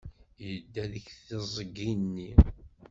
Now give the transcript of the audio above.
Yedda deg teẓgi-nni.